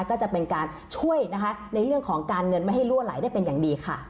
ก็จะเป็นการช่วยนะคะในเรื่องของการเงินไม่ให้รั่วไหลได้เป็นอย่างดีค่ะ